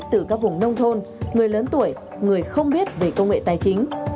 từ các vùng nông thôn người lớn tuổi người không biết về công nghệ tài chính